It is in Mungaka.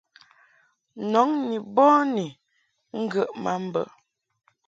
Nɔŋ ni bɔni ŋgəʼ ma mbə.